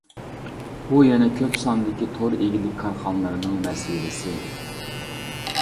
بۇ يەنە كۆپ ساندىكى تور ئىگىلىك كارخانىلىرىنىڭ مەسىلىسى.